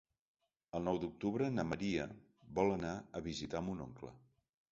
El nou d'octubre na Maria vol anar a visitar mon oncle.